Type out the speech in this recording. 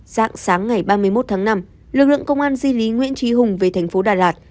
dạng sáng ngày ba mươi một tháng năm lực lượng công an di lý nguyễn trí hùng về thành phố đà lạt